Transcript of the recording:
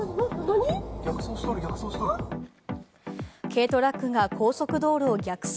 軽トラックが高速道路を逆走。